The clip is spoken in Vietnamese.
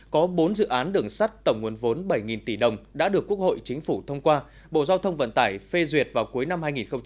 có bốn dự án đường sắt tổng nguồn vốn bảy tỷ đồng đã được quốc hội chính phủ thông qua bộ giao thông vận tải phê duyệt vào cuối năm hai nghìn hai mươi